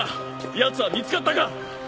やつは見つかったか？